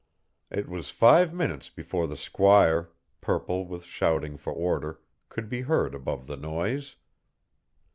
It was five minutes before the squire, purple with shouting for order, could be heard above the noise.